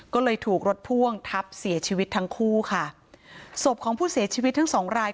ก็เลยถูกรถพ่วงทับเสียชีวิตทั้งคู่ค่ะศพของผู้เสียชีวิตทั้งสองราย